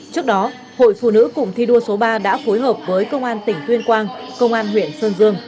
trước đó hội phụ nữ cụng thi đua số ba đã phối hợp với công an tỉnh tuyên quang công an huyện sơn dương